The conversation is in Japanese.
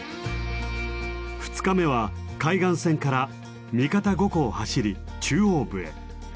２日目は海岸線から三方五湖を走り中央部へ。